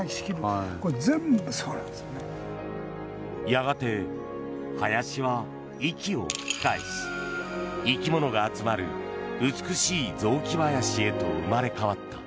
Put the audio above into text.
やがて林は息を吹き返し生き物が集まる美しい雑木林へと生まれ変わった。